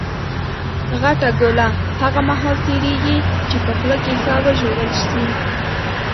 غټه ګوله هغه مهال تېرېږي، چي په خوله کښي ښه وژول سي.